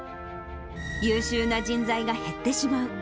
優秀な人材が減ってしまう。